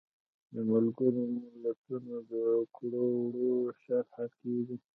د ملګرو ملتونو د کړو وړو شرحه کیږي.